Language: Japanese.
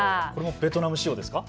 ベトナム仕様ですか。